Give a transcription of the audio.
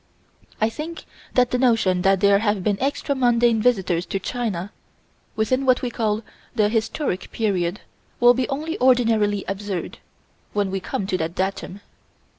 I think that the notion that there have been extra mundane visitors to China, within what we call the historic period, will be only ordinarily absurd, when we come to that datum.